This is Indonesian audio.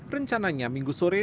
rencananya minggu sore